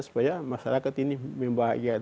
supaya masyarakat ini membahagiakan